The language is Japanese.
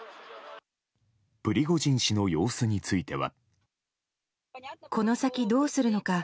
プリゴジン氏の様子については。